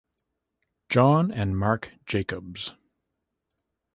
John, and Marc Jacobs.